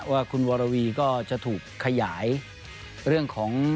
ว่าคุณวรวีก็จะถูกขยายเรื่องของ